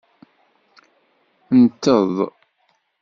Nteḍ.